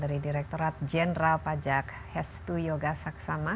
dari direkturat jenderal pajak hestu yoga saksama